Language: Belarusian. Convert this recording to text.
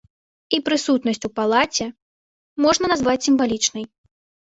Іх прысутнасць у палаце можна назваць сімвалічнай.